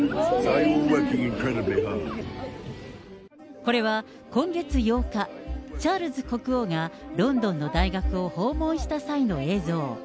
これは今月８日、チャールズ国王がロンドンの大学を訪問した際の映像。